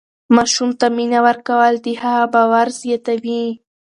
ماشوم ته مینه ورکول د هغه باور زیاتوي.